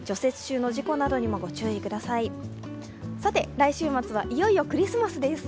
来週末はいよいよクリスマスです。